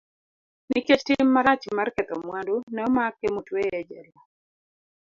Nikech tim marach mar ketho mwandu, ne omake motueye e jela.